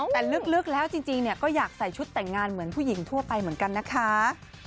แต่ลึกแล้วจริงก็อยากใส่ชุดแต่งงานเหมือนผู้หญิงทั่วไปเหมือนกันนะคะ